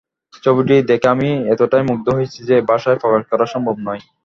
ছবিটি দেখে আমি এতটাই মুগ্ধ হয়েছি যে, ভাষায় প্রকাশ করা সম্ভব নয়।